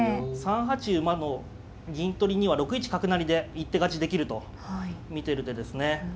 ３八馬の銀取りには６一角成で一手勝ちできると見てる手ですね。